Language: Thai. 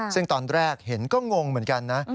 ซึ่งตอนแรกเห็นก็งงเหมือนกันนะ